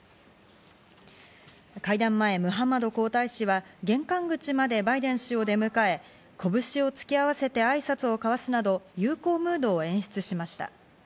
会談前、ムハンマド皇太子は玄関口までバイデン氏を出迎え、拳を突き合わせて挨拶を交わすなど、友好ムードを演出しました。